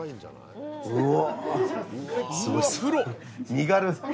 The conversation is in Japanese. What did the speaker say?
身軽。